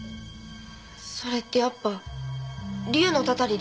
それってやっぱ竜のたたりで？